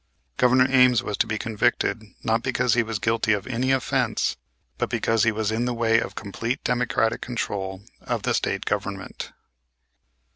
Governor Ames was to be convicted, not because he was guilty of any offense, but because he was in the way of complete Democratic control of the State Government.